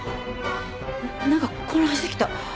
なんか混乱してきた。